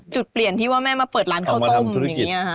จุดเปลี่ยนที่ว่าแม่มาเปิดร้านข้าวต้มอย่างนี้ค่ะ